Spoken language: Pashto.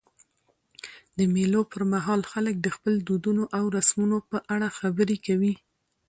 د مېلو پر مهال خلک د خپلو دودونو او رسمونو په اړه خبري کوي.